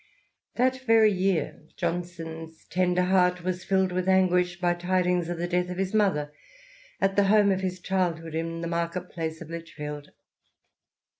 That very year Johnson's tender heart was filled with anguish by tidings of the death of his mother at the home of his childhood in the market place of Lichfield.